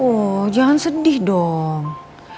oh jangan sedih dong